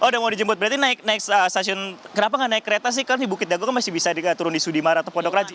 oh udah mau dijemput berarti naik naik stasiun kenapa nggak naik kereta sih kan di bukit dago kan masih bisa turun di sudimara atau pondok raji